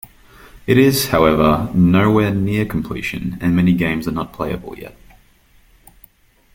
It is, however, nowhere near completion and many games are not playable yet.